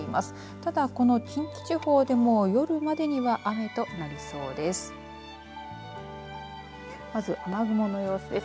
ただ、この近畿地方でも夜までには雨となりそうです。